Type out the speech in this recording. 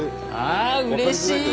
ああうれしい！